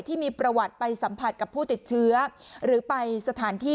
ที่มีประวัติไปสัมผัสกับผู้ติดเชื้อหรือไปสถานที่